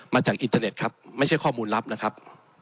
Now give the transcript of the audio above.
อินเทอร์เน็ตครับไม่ใช่ข้อมูลลับนะครับ